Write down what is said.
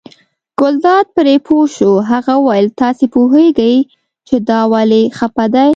ګلداد پرې پوه شو، هغه وویل تاسې پوهېږئ چې دا ولې خپه دی.